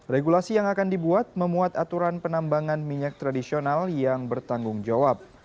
regulasi yang akan dibuat memuat aturan penambangan minyak tradisional yang bertanggung jawab